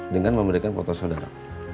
dengan memberikan foto saudara